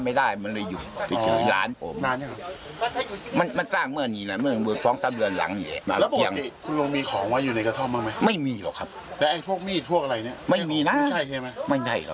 ไม่ใช่เหรอ